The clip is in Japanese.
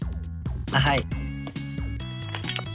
はい。